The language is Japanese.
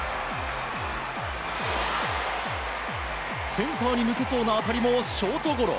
センターへ抜けそうな当たりもショートゴロ。